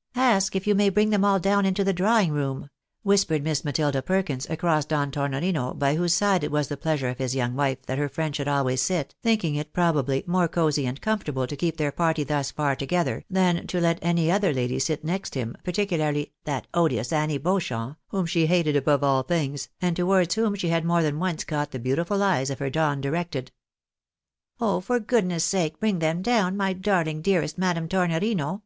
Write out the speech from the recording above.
" Ask if you may bring them all down into the drawing room," whispered Miss Matilda Perkins across Don Tornorino, by whose side it was the pleasure of his young wife that her friend should always sit (thinking it, probably, more cozy and comfortable to keep their party thus far together, than to let any other lady sit next him, particularly " that odious Annie Beauchamp," whom she hated above all things, and towards whom she had more than once caught the beautiful eyes of her Don directed). " Oh, for goodness' sake bring them down, my darhng dearest Madame Tornorino